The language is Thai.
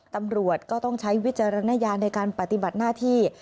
ตำรวจก็ต้องใช้วิจารณญาณในการปฏิบัติหน้าที่